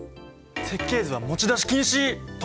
設計図は持ち出し禁止！とか？